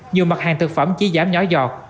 nhiều mặt hàng thực phẩm chỉ giảm nhỏ dọt